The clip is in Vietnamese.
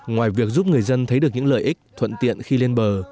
ngoài việc giúp người dân thấy được những lợi ích thuận tiện khi lên bờ